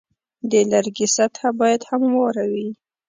د لرګي سطحه باید همواره وي.